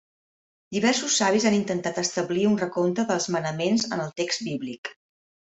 Diversos savis han intentat establir un recompte dels manaments en el text bíblic.